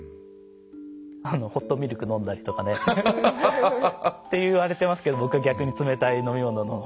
あのホットミルク飲んだりとかね。っていわれてますけど僕は逆に冷たい飲み物のほうが好きです。